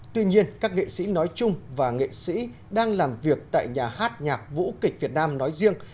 tuy nhiên các nghệ sĩ nói chung và nghệ sĩ đang làm việc tại nhà hát nhạc vũ kịch việt nam nói riêng